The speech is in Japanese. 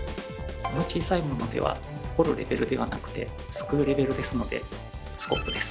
この小さいものでは「掘る」レベルではなくて「すくう」レベルですのでスコップです。